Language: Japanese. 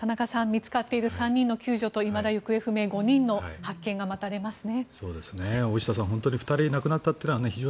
見つかっている３人の救助といまだ行方不明５人の発見が待たれますね。